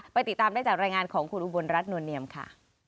ติดตามได้จากรายงานของคุณอุบลรัฐนวลเนียมค่ะ